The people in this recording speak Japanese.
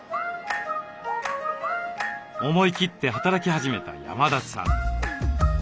思い切って働き始めた山田さん。